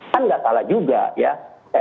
kan nggak salah juga ya